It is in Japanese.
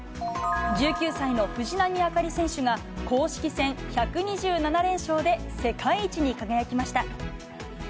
１９歳の藤波朱理選手が、公式戦１２７連勝で世界一に輝きました。